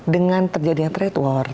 dengan terjadinya trade war